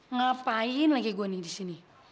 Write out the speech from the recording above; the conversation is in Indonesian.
ngapain lagi gue nih di sini